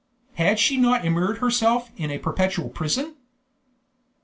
Had she not immured herself in a perpetual prison?